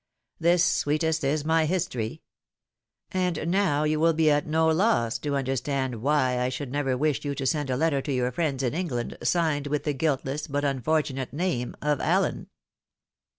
This, sweetest, is my history. And now you wiU be at no loss to understand why I should never wish you to send a letter to your friends in England, signed with the guiltless, but unfortunate, name of Allen."